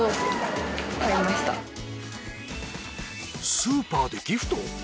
スーパーでギフト！？